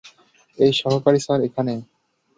এই সহকারী স্যার এখানে।